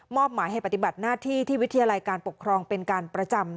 หมายให้ปฏิบัติหน้าที่ที่วิทยาลัยการปกครองเป็นการประจำ